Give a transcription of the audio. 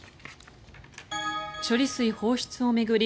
処理水放出を巡り